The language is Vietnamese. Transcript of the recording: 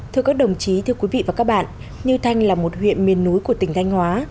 thưa các đồng chí thưa quý vị và các bạn như thanh là một huyện miền núi của tỉnh thanh hóa